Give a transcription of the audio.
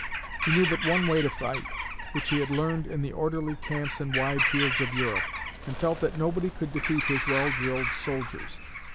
He knew but one way to fight, which he had learned in the orderly camps and wide fields of Europe, and felt that nobody could defeat his well drilled soldiers.